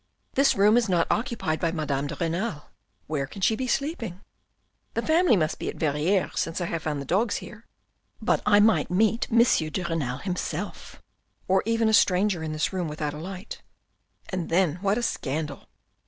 "This room is not occupied by Madame de Renal. Where can she be sleeping ? The family must be at Verrieres since I have found the dogs here, but I might meet M. de Renal himself, or even a stranger in this room without a light, and then what a scandal